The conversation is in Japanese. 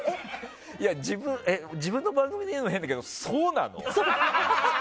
いや自分の番組で言うのも変だけど、そうなの？